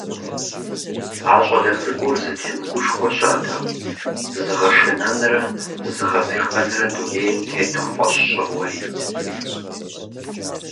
А щӀалэ цӀыкӀур зытемыгушхуэ щыӀэтэкъым, зыгъэшынэнрэ зыгъэдзыхэнрэ дунейм тету фӀэщщӀыгъуейт.